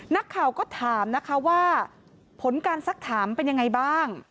นักข่าวก็ถามนะคะว่าผลการสักถามเป็นยังไงบ้าง